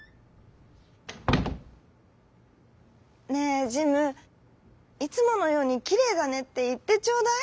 「ねえジムいつものように『きれいだね』っていってちょうだい。